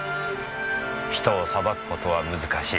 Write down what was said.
人を裁くことは難しい。